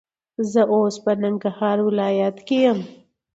زه اوس په ننګرهار ولایت کې یم.